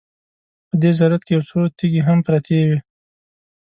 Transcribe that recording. په دې زیارت کې یو څو تیږې هم پرتې وې.